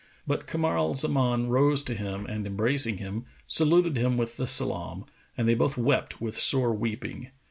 But Kamar al Zaman rose to him and embracing him, saluted him with the salam, and they both wept with sore weeping.